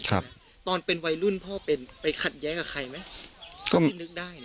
ตอนเป็นวัยรุ่นพ่อเป็นไปขัดแย้งกับใครไหมก็ไม่นึกได้นะ